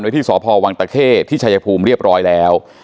ที่สพวังตะเข้ที่ชายภูมิเรียบร้อยแล้ว